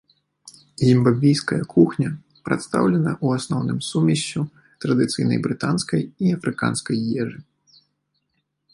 Зімбабвійская кухня прадстаўлена ў асноўным сумессю традыцыйнай брытанскай і афрыканскай ежы.